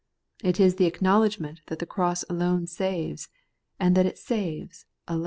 It is the acknowledgment that the cross alone saves, and that it saves alone.